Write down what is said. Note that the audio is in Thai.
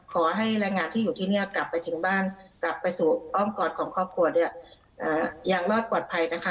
ขอให้แรงงานที่อยู่ที่เนี่ยกลับไปถึงบ้านกลับไปสู่อ้อมกอดของครอบครัวเนี่ยยังรอดปลอดภัยนะคะ